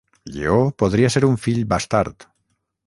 Lleó podria ser un fill bastard.